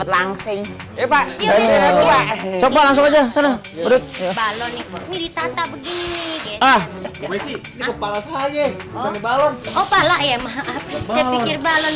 langsing langsung aja balon ini tata begini kepala saya balon kepala ya maaf pikir balon